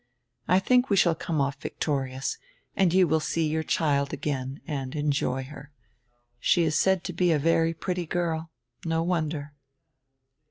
I think we shall come off victorious, and you will see your child again and enjoy her. She is said to be a very pretty girl. No wonder."